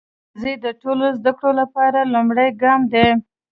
ښوونځی د ټولو زده کړو لپاره لومړی ګام دی.